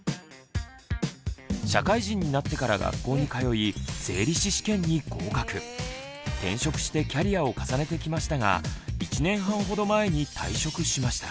社会人になってから学校に通い転職してキャリアを重ねてきましたが１年半ほど前に退職しました。